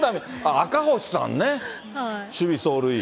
赤星さんね、守備、走塁。